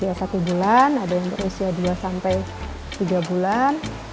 kemudian ada yang sekitar berusia satu bulan ada yang berusia dua sampai tiga bulan